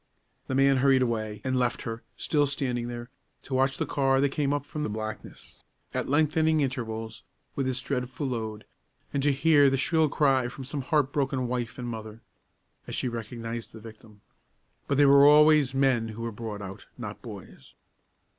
The man hurried away and left her, still standing there, to watch the car that came up from the blackness, at lengthening intervals, with its dreadful load, and to hear the shrill cry from some heart broken wife and mother, as she recognized the victim. But they were always men who were brought out, not boys.